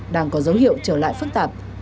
đang có dấu hiệu trở lại phức tạp